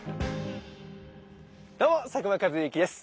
どうも佐久間一行です。